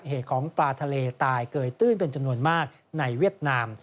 เหตุของปลาทะเลตายเกยตื้นเป็นจำนวนมากในเวียดนาม